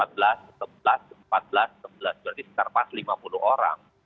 berarti sekitar pas lima puluh orang